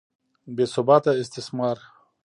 بې ثباته استثمار.